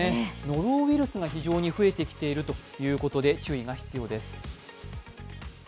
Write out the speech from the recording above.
ノロウイルスが非常に増えてきているということで注意が必要です。